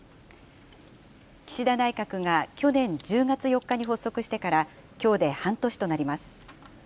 岸田内閣が去年１０月４日に発足してから、きょうで半年となります。